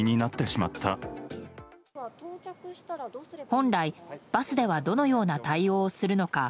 本来、バスではどのような対応をするのか。